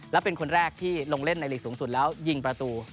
และเป็นคนแรกที่ลงเล่นในหลีกสูงสุดแล้วยิงประตู